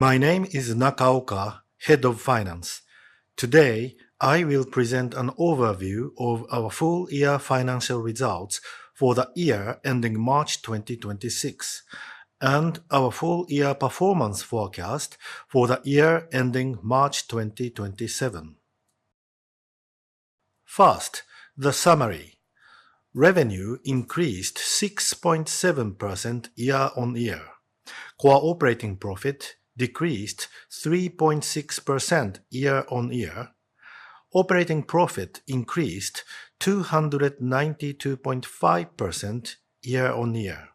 My name is Nakaoka, Head of Finance. Today, I will present an overview of our full-year financial results for the year ending March 2026, and our full-year performance forecast for the year ending March 2027. First, the summary. Revenue increased 6.7% year-on-year. Core operating profit decreased 3.6% year-on-year. Operating profit increased 292.5% year-on-year.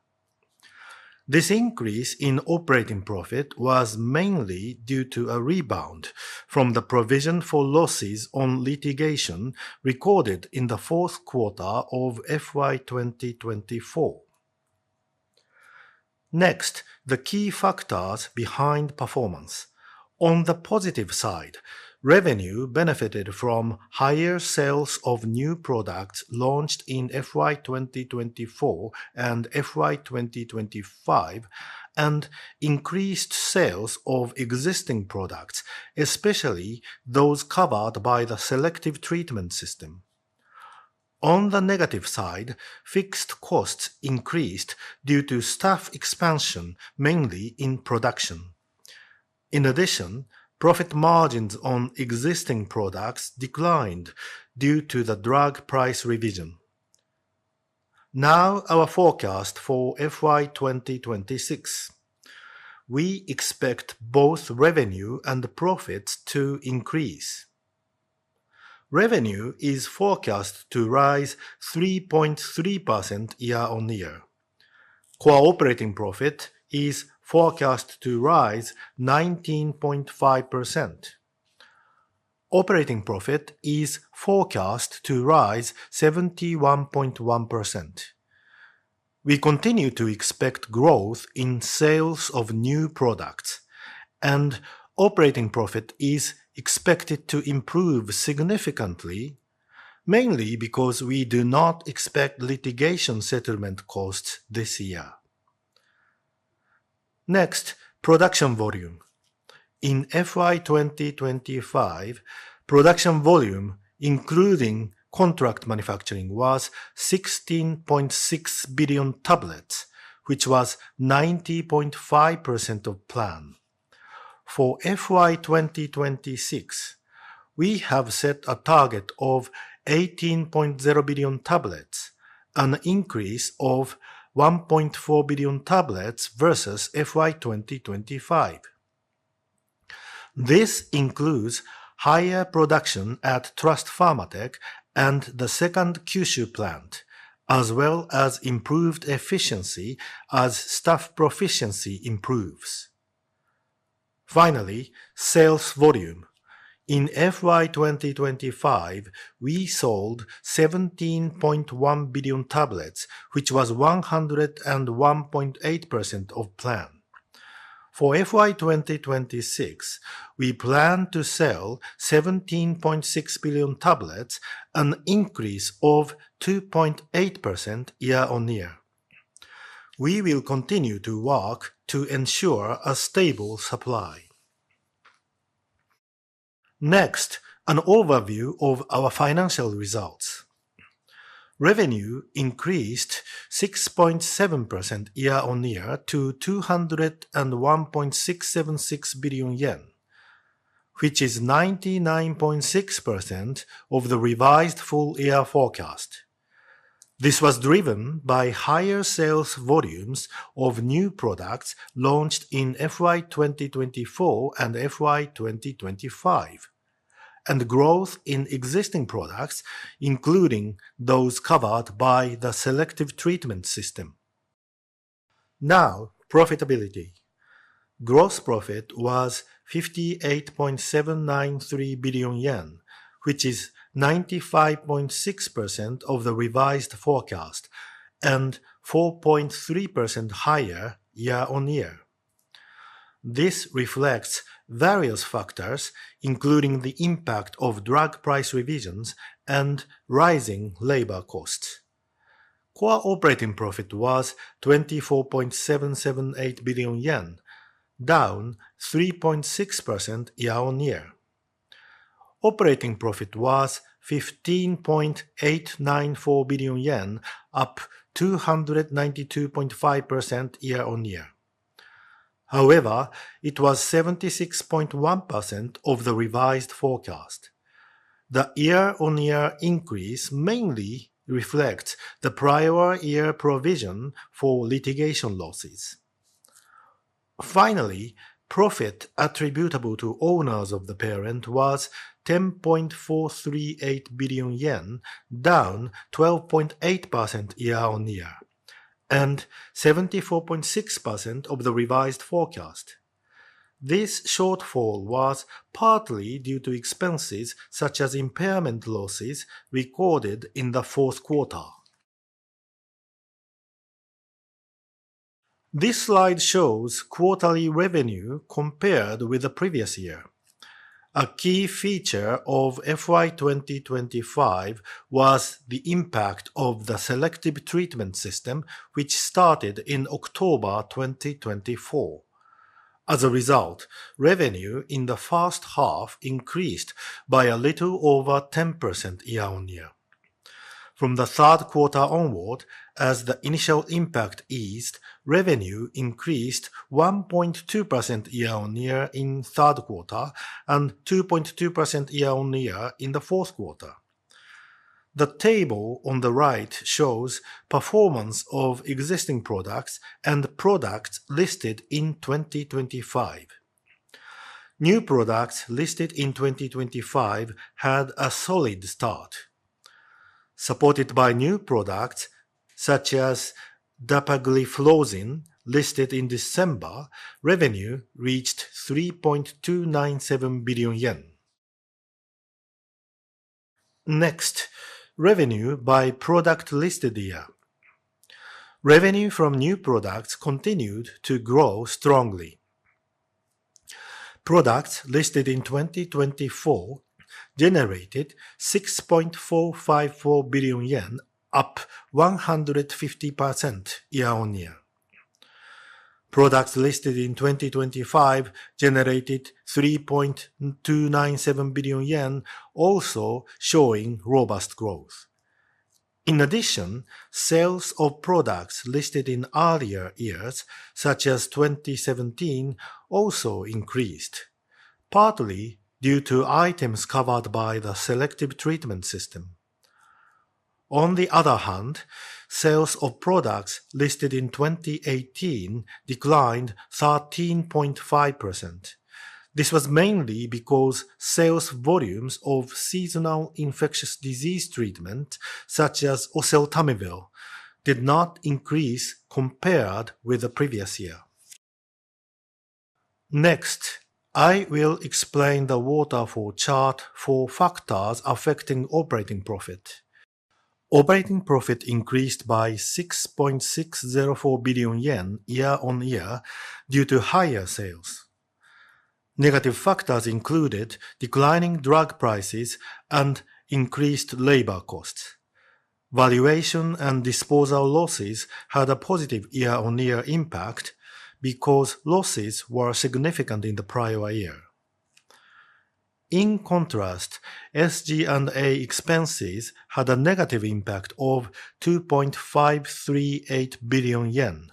This increase in operating profit was mainly due to a rebound from the provision for losses on litigation recorded in the fourth quarter of FY 2024. Next, the key factors behind performance. On the positive side, revenue benefited from higher sales of new products launched in FY 2024 and FY 2025, and increased sales of existing products, especially those covered by the selective treatment system. On the negative side, fixed costs increased due to staff expansion, mainly in production. Profit margins on existing products declined due to the drug price revision. Our forecast for FY 2026. We expect both revenue and profits to increase. Revenue is forecast to rise 3.3% year-on-year. Core operating profit is forecast to rise 19.5%. Operating profit is forecast to rise 71.1%. We continue to expect growth in sales of new products, and operating profit is expected to improve significantly, mainly because we do not expect litigation settlement costs this year. Production volume. In FY 2025, production volume, including contract manufacturing, was 16.6 billion tablets, which was 90.5% of plan. FY 2026, we have set a target of 18.0 billion tablets, an increase of 1.4 billion tablets versus FY 2025. This includes higher production at Trust Pharmatech and the second Kyushu plant, as well as improved efficiency as staff proficiency improves. Sales volume. FY 2025, we sold 17.1 billion tablets, which was 101.8% of plan. FY 2026, we plan to sell 17.6 billion tablets, an increase of 2.8% year-on-year. We will continue to work to ensure a stable supply. An overview of our financial results. Revenue increased 6.7% year-on-year to 201.676 billion yen, which is 99.6% of the revised full-year forecast. This was driven by higher sales volumes of new products launched in FY 2024 and FY 2025, and growth in existing products, including those covered by the selective treatment system. Profitability. Gross profit was 58.793 billion yen, which is 95.6% of the revised forecast and 4.3% higher year-on-year. This reflects various factors, including the impact of drug price revisions and rising labor costs. Core operating profit was 24.778 billion yen, down 3.6% year-on-year. Operating profit was 15.894 billion yen, up 292.5% year-on-year. It was 76.1% of the revised forecast. The year-on-year increase mainly reflects the prior year provision for litigation losses. Profit attributable to owners of the parent was 10.438 billion yen, down 12.8% year-on-year, and 74.6% of the revised forecast. This shortfall was partly due to expenses such as impairment losses recorded in the fourth quarter. This slide shows quarterly revenue compared with the previous year. A key feature of FY 2025 was the impact of the selective treatment system, which started in October 2024. Revenue in the first half increased by a little over 10% year-on-year. The third quarter onward, as the initial impact eased, revenue increased 1.2% year-on-year in the third quarter and 2.2% year-on-year in the fourth quarter. The table on the right shows performance of existing products and products listed in 2025. New products listed in 2025 had a solid start. Supported by new products such as dapagliflozin, listed in December, revenue reached 3.297 billion yen. Revenue by product listed year. Revenue from new products continued to grow strongly. Products listed in 2024 generated 6.454 billion yen, up 150% year-on-year. Products listed in 2025 generated 3.297 billion yen, also showing robust growth. Sales of products listed in earlier years, such as 2017, also increased, partly due to items covered by the selective treatment system. Sales of products listed in 2018 declined 13.5%. This was mainly because sales volumes of seasonal infectious disease treatment, such as oseltamivir, did not increase compared with the previous year. I will explain the waterfall chart for factors affecting operating profit. Operating profit increased by 6.604 billion yen year-on-year due to higher sales. Negative factors included declining drug prices and increased labor costs. Valuation and disposal losses had a positive year-on-year impact because losses were significant in the prior year. SG&A expenses had a negative impact of 2.538 billion yen,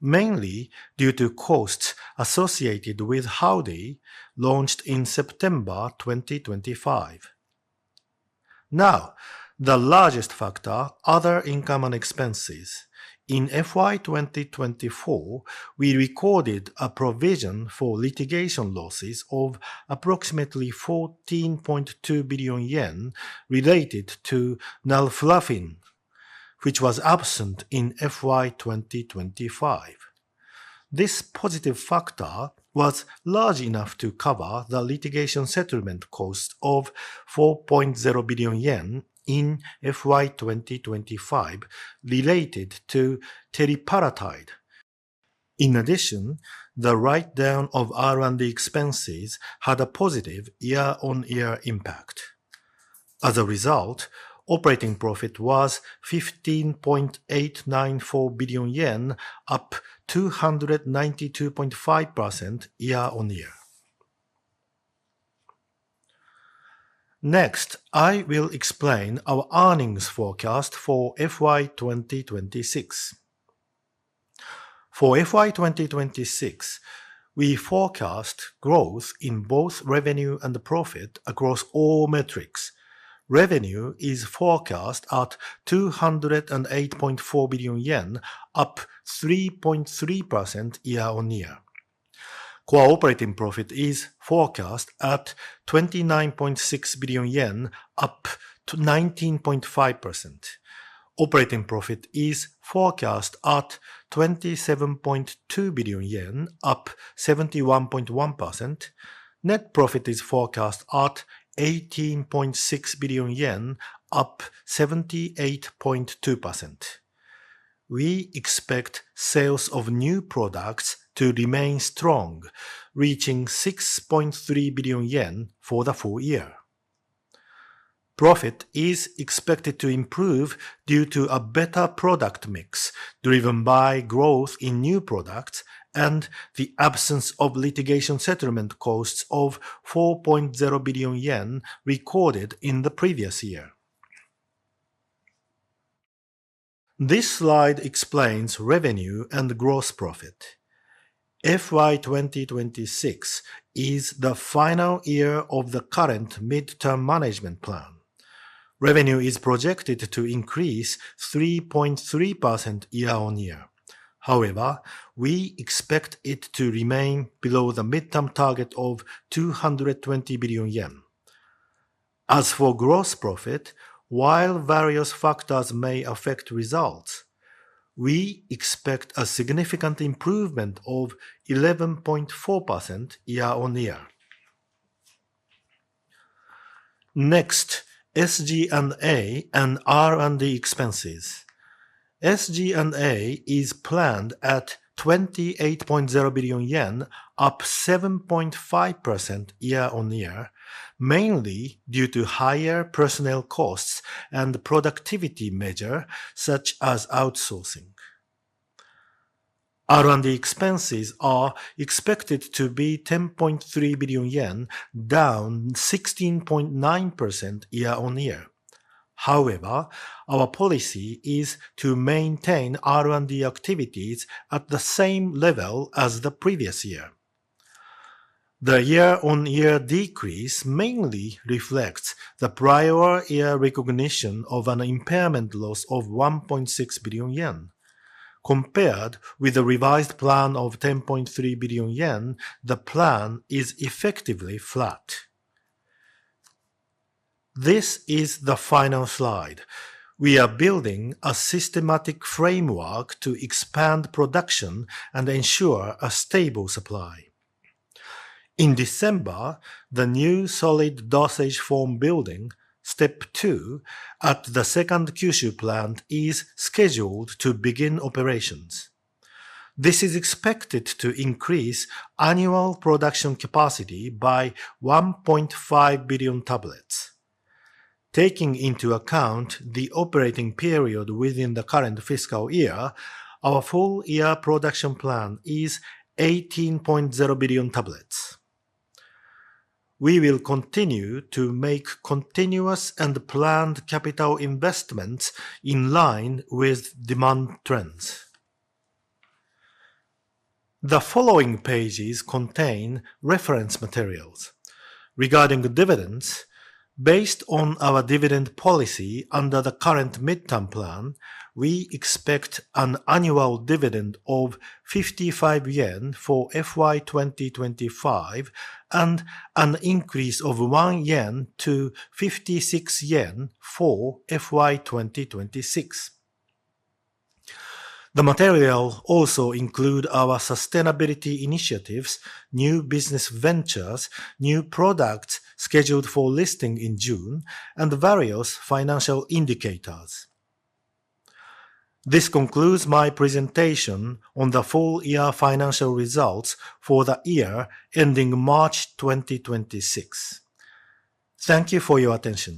mainly due to costs associated with Howdy, launched in September 2025. The largest factor, other income and expenses. In FY 2024, we recorded a provision for litigation losses of approximately 14.2 billion yen related to nalfurafine, which was absent in FY 2025. This positive factor was large enough to cover the litigation settlement cost of 4.0 billion yen in FY 2025 related to teriparatide. The write-down of R&D expenses had a positive year-on-year impact. Operating profit was 15.894 billion yen, up 292.5% year-on-year. I will explain our earnings forecast for FY 2026. For FY 2026, we forecast growth in both revenue and profit across all metrics. Revenue is forecast at 208.4 billion yen, up 3.3% year-on-year. Core operating profit is forecast at 29.6 billion yen, up to 19.5%. Operating profit is forecast at 27.2 billion yen, up 71.1%. Net profit is forecast at 18.6 billion yen, up 78.2%. We expect sales of new products to remain strong, reaching 6.3 billion yen for the full year. Profit is expected to improve due to a better product mix driven by growth in new products and the absence of litigation settlement costs of 4.0 billion yen recorded in the previous year. This slide explains revenue and gross profit. FY 2026 is the final year of the current midterm management plan. Revenue is projected to increase 3.3% year-on-year. We expect it to remain below the midterm target of 220 billion yen. While various factors may affect results, we expect a significant improvement of 11.4% year-on-year. SG&A and R&D expenses. SG&A is planned at 28.0 billion yen, up 7.5% year-on-year, mainly due to higher personnel costs and productivity measures such as outsourcing. R&D expenses are expected to be 10.3 billion yen, down 16.9% year-on-year. Our policy is to maintain R&D activities at the same level as the previous year. The year-on-year decrease mainly reflects the prior year recognition of an impairment loss of 1.6 billion yen. Compared with the revised plan of 10.3 billion yen, the plan is effectively flat. This is the final slide. We are building a systematic framework to expand production and ensure a stable supply. In December, the new solid dosage form building, step 2, at the second Kyushu plant is scheduled to begin operations. This is expected to increase annual production capacity by 1.5 billion tablets. Taking into account the operating period within the current fiscal year, our full-year production plan is 18.0 billion tablets. We will continue to make continuous and planned capital investments in line with demand trends. The following pages contain reference materials. Regarding dividends, based on our dividend policy under the current midterm management plan, we expect an annual dividend of 55 yen for FY 2025 and an increase of 1 yen to 56 yen for FY 2026. The materials also include our sustainability initiatives, new business ventures, new products scheduled for listing in June, and various financial indicators. This concludes my presentation on the full-year financial results for the year ending March 2026. Thank you for your attention.